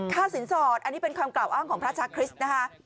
สินสอดอันนี้เป็นคำกล่าวอ้างของพระชาคริสต์นะคะ